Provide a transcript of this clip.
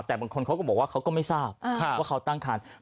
แต่บางคนเขาก็บอกว่าเขาก็ไม่ทราบว่าเขาตั้งคัน